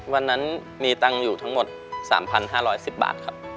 วันนั้นมีตังค์อยู่ทั้งหมด๓๕๑๐บาทครับ